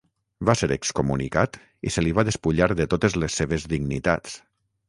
Va ser excomunicat i se li va despullar de totes les seves dignitats.